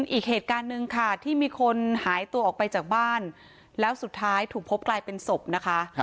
อีกเหตุการณ์หนึ่งค่ะที่มีคนหายตัวออกไปจากบ้านแล้วสุดท้ายถูกพบกลายเป็นศพนะคะ